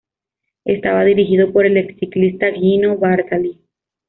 Estaba dirigido por el exciclista Gino Bartali.